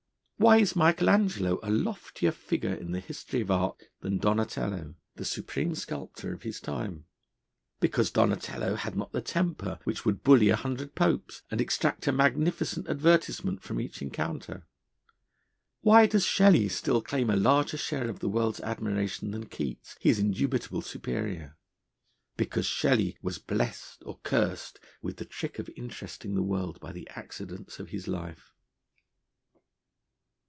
Why is Michael Angelo a loftier figure in the history of art than Donatello, the supreme sculptor of his time? Because Donatello had not the temper which would bully a hundred popes, and extract a magnificent advertisement from each encounter. Why does Shelley still claim a larger share of the world's admiration than Keats, his indubitable superior? Because Shelley was blessed or cursed with the trick of interesting the world by the accidents of his life.